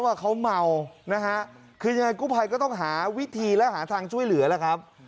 ว่าเขาเมานะฮะคือยังไงกู้ภัยก็ต้องหาวิธีและหาทางช่วยเหลือล่ะครับ